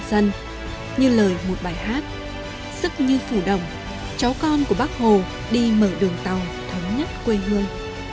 sức như phủ đồng cháu con của bắc hồ đi mở đường tàu thống nhất quê hương